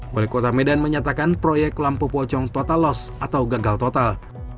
wali kota medan menyatakan proyek lampu pocong total loss atau gagal total